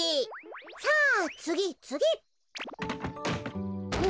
さあつぎつぎ！